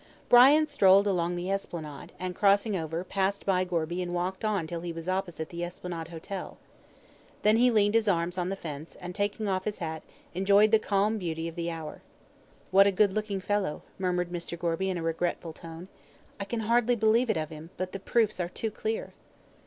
Brian strolled along the Esplanade, and crossing over, passed by Gorby and walked on till he was opposite the Esplanade Hotel. Then he leaned his arms on the fence, and, taking off his hat, enjoyed the calm beauty of the hour. "What a good looking fellow," murmured Mr. Gorby, in a regretful tone. "I can hardly believe it of him, but the proofs are too clear."